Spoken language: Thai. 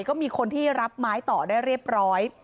ก็มีคนที่รับไม้ต่อได้เรียบร้อย